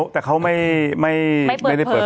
แต่เขาไม่ได้เปิด